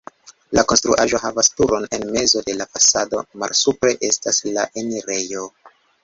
La konstruaĵo havas turon en mezo de la fasado, malsupre estas la enirejo.